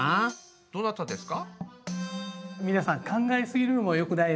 どなたですか？